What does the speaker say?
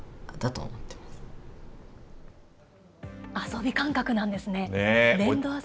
遊び感覚なんですね。